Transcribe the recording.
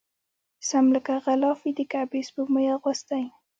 سم لکه غلاف وي د کعبې سپوږمۍ اغوستی